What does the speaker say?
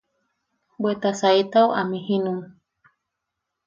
Bwe saitau amjijinun.